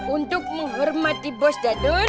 untuk menghormati bos jadul